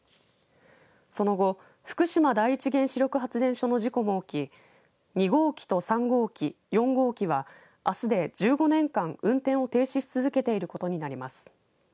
その後、福島第一原子力発電所の事故も起き２号機と３号機、４号機はあすで１５年間、運転を停止し続けていることになります。